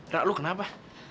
rak lo kenapa